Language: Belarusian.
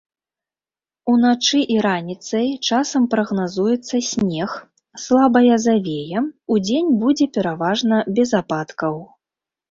Уначы і раніцай часам прагназуецца снег, слабая завея, удзень будзе пераважна без ападкаў.